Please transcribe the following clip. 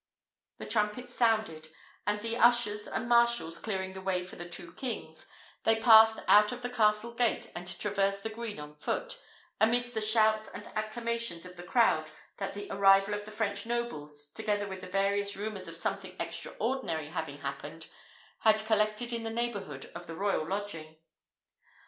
'" The trumpets sounded, and, the ushers and marshals clearing the way for the two kings, they passed out of the castle gate, and traversed the green on foot, amidst the shouts and acclamations of the crowd that the arrival of the French nobles, together with various rumours of something extraordinary having happened, had collected in the neighbourhood of the royal lodging.